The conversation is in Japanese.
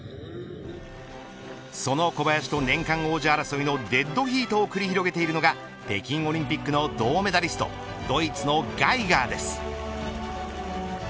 その小林と年間王者争いのデッドヒートを繰り広げているのが北京オリンピックの銅メダリストドイツのガイガーです。